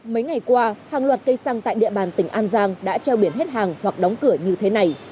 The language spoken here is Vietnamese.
mấy ngày qua hàng loạt cây xăng tại địa bàn tỉnh an giang đã treo biển hết hàng hoặc đóng cửa như thế này